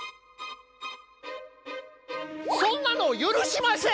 そんなの許しません！